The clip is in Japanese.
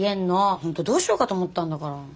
本当どうしようかと思ったんだから。